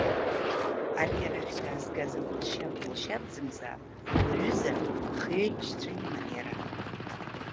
Ари арахь даазгаз агәылшьап, гәылшьапӡамзаап, дуаҩызаап, хҩеиҳәшьцәа иман иара.